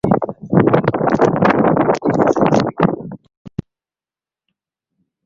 Anaishi maeneo ya mombasa